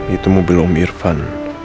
itu mobil om irfan